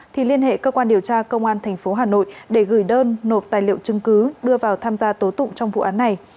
thì liên hệ cơ quan điều tra công an tp hà nội để gửi đơn nộp tài liệu chứng cứ đưa vào tham gia tố tụng trong vụ án này